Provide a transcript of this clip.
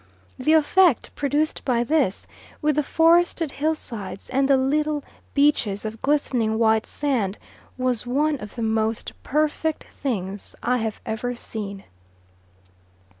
The effect produced by this, with the forested hillsides and the little beaches of glistening white sand was one of the most perfect things I have ever seen.